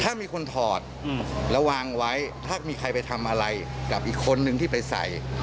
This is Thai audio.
ถ้ามีคนถอดแล้ววางไว้ถ้ามีใครไปทำอะไรกับอีกคนนึงที่ไปใส่